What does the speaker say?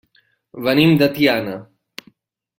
Venim de Tiana.